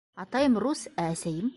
Атайым рус, ә әсәйем...